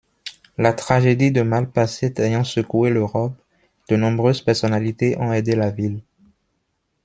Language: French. La tragédie de Malpasset ayant secoué l'Europe, de nombreuses personnalités ont aidé la ville.